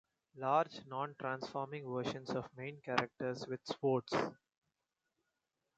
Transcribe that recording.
Large, non-transforming versions of main characters with swords.